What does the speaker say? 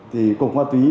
thì cục ma túy